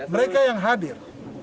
mereka yang hadir